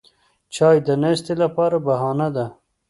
چای د ناستې لپاره بهانه ده